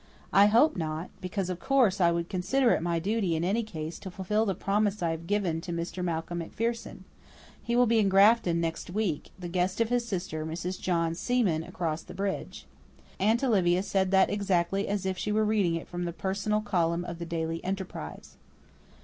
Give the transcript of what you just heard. "I hope not, because, of course, I would consider it my duty in any case to fulfil the promise I have given to Mr. Malcolm MacPherson. He will be in Grafton next week, the guest of his sister, Mrs. John Seaman, across the bridge." Aunt Olivia said that exactly as if she were reading it from the personal column of the Daily Enterprise.